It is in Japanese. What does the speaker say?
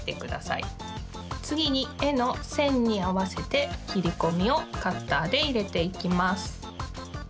つぎにえのせんにあわせてきりこみをカッターでいれていきます。